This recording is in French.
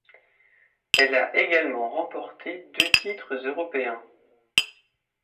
Elle a également remporté deux titres européens.